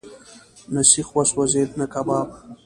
نه سیخ وسوځېد، نه کباب.